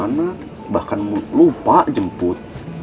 anak bahkan lupa jemput